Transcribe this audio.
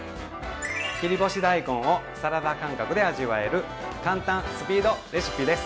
切り干し大根をサラダ感覚で味わえる簡単・スピードレシピです。